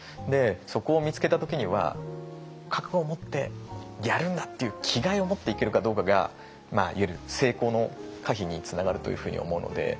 そこを見つけた時には覚悟を持ってやるんだっていう気概を持っていけるかどうかがいわゆる成功の可否につながるというふうに思うので。